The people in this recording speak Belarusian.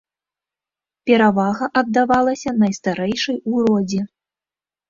Перавага аддавалася найстарэйшай у родзе.